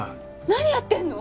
何やってんの！？